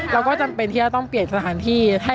เราก็จำเป็นที่จะต้องเปลี่ยนสถานที่